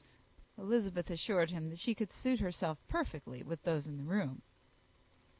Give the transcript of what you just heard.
Elizabeth assured him that she could suit herself perfectly with those in the room.